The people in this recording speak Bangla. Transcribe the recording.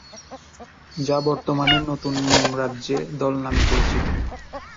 যা বর্তমানে নতুন মন রাজ্যে দল নামে পরিচিত।